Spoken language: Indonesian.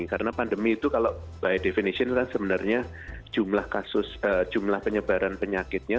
karena pandemi itu kalau by definition sebenarnya jumlah penyebaran penyakitnya